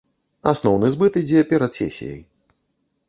Асноўны збыт ідзе перад сесіяй.